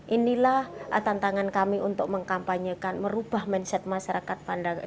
inilah tantangan kami untuk mengkampanyekan merubah mindset masyarakat pandangan